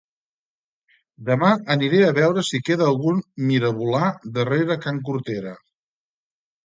Demà aniré a veure si queda algun mirabolà darrera can Cortera